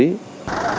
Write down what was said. còn các tổ